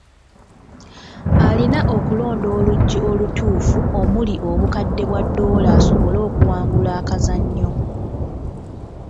Alina okulonda oluggi olutuufu omuli obukadde bwa doola asobole okuwangula akazannyo.